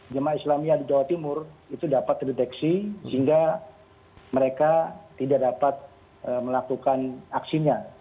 jemaah islamia di jawa timur itu dapat terdeteksi sehingga mereka tidak dapat melakukan aksinya